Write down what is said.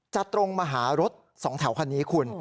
ตรงมาหารถสองแถวคันนี้คุณ